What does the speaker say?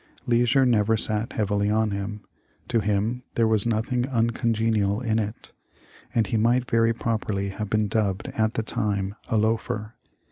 Leisure never sat heavily on him. To him there was nothing uncongenial in it, and he might very properly have been dubbed at the time THE LIFE OF LINCOLN. yg a " loafer."